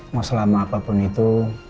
mau selama apapun itu